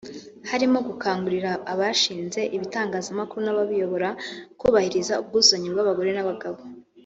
Harimo gukangurira abashinze ibitangazamakuru n’ababiyobora kubahiriza ubwuzuzanye bw’abagore n’abagabo